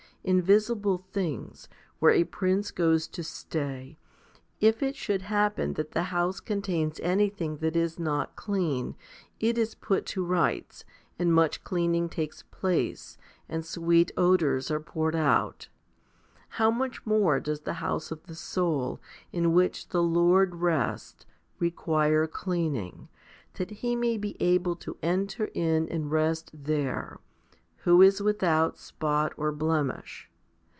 In visible things, where a prince goes to stay, if it should happen that that house contains anything that is not clean, it is put to rights, and much cleaning takes place, and sweet odours are poured out ; how much more does the house of the soul, in which the Lord rests/ require cleaning, that He may be able to enter in and rest there, who is without spot or blemish